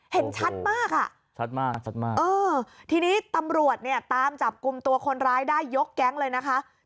เห็นชัดมากอะเออทีนี้ตำรวจเนี่ยตามจับกุมตัวคนร้ายได้ยกแก๊งเลยนะคะ